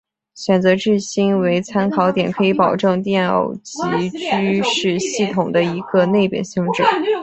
选择质心为参考点可以保证电偶极矩是系统的一个内禀性质。